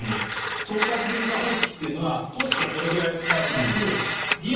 総括原価方式というのはコストがこれくらいかかります利益